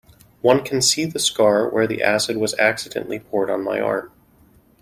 One can still see the scar where the acid was accidentally poured on my arm.